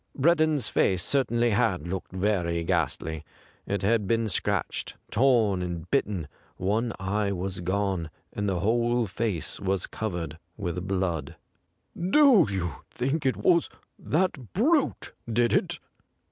Breddon's face certainly had looked very ghastly ; it had been scratched, torn and bitten ; one eye was gone, and the whole face was covered with blood. ' Do you think it was that brute did it